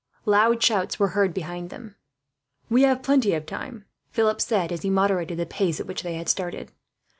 Loud shouts were heard behind them. "We have plenty of time," Philip said, as he moderated the pace at which they had started.